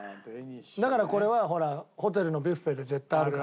だからこれはほらホテルのビュッフェで絶対あるから。